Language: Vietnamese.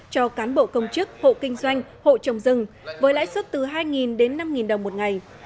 cho cán bộ công chức hộ kinh doanh hộ trồng rừng với lãi suất từ hai đến năm đồng một ngày